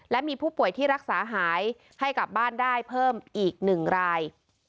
และมีผู้ป่วยที่รักษาหายให้กลับบ้านได้เพิ่มอีก๑ราย